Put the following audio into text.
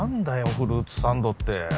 フルーツサンドって。